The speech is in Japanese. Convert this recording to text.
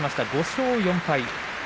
５勝４敗。